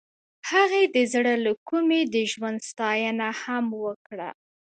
هغې د زړه له کومې د ژوند ستاینه هم وکړه.